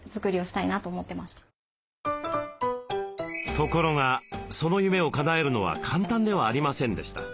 ところがその夢をかなえるのは簡単ではありませんでした。